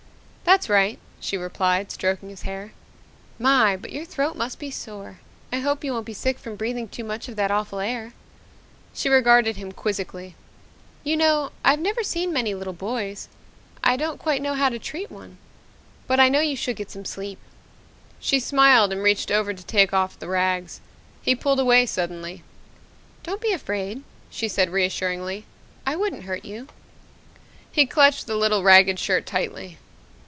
"That's right," she replied, stroking his hair. "My, but your throat must be sore. I hope you won't be sick from breathing too much of that awful air." She regarded him quizzically. "You know, I've never seen many little boys. I don't quite know how to treat one. But I know you should get some sleep." She smiled and reached over to take off the rags. He pulled away suddenly. "Don't be afraid," she said reassuringly. "I wouldn't hurt you." He clutched the little ragged shirt tightly.